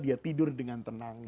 dia tidur dengan tenang